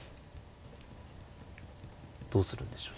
どうするんでしょう。